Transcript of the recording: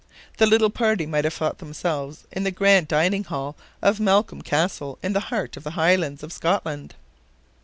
The little party might have thought themselves in the grand dining hall of Malcolm Castle, in the heart of the Highlands of Scotland.